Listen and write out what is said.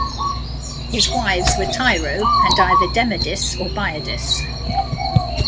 His wives were Tyro and either Demodice or Biadice.